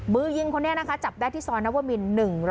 มือยิงคนนี้นะคะจับได้ที่ซอยนวมิน๑๐